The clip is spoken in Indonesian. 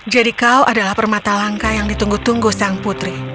kau adalah permata langka yang ditunggu tunggu sang putri